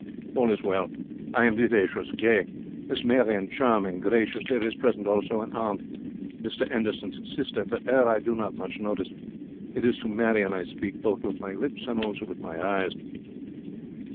All is well. I am vivacious, gay; Miss Marion, charming, gracious. There is present also an aunt, Mr 'Enderson's sister; but 'er I do not much notice. It is to Marion I speak both with my lips and also with my eyes.